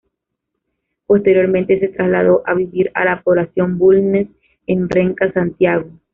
Posteriormente se trasladó a vivir a la población Bulnes en Renca, Santiago.